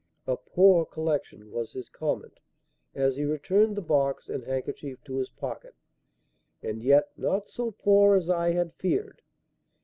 "A poor collection," was his comment, as he returned the box and handkerchief to his pocket, "and yet not so poor as I had feared.